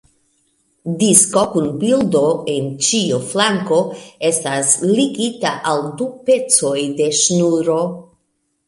Disko kun bildo en ĉiu flanko estas ligita al du pecoj de ŝnuro.